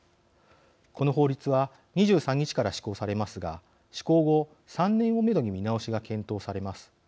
この法律は２３日から施行されますが施行後、３年をめどに見直しが検討されます。